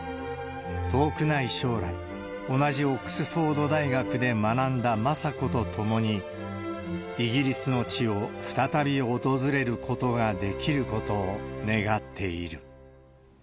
遠くない将来、同じオックスフォード大学で学んだ雅子と共に、イギリスの地を再び訪れることができることを願っている。